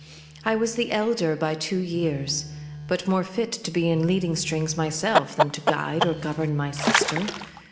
I was the elder by two years ; but more fit to be in leading strings myself than to guide or govern my sister.